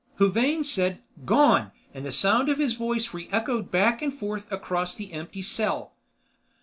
Huvane said, "Gone!" and the sound of his voice re echoed back and forth across the empty cell.